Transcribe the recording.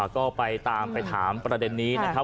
ก็ไปตามไปถามประเด็นนี้นะครับ